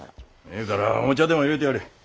ええからお茶でもいれてやれ。